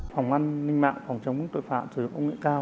phòng an ninh mạng phòng chống tội phạm sử dụng công nghệ cao